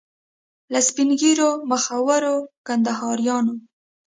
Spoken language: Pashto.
له سپین ږیرو مخورو کنداریانو.